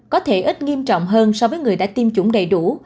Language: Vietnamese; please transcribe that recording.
có thể ít nghiêm trọng hơn so với người đã tiêm chủng đầy đủ